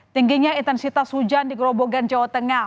tingginya intensitas hujan di gerobogan jawa tengah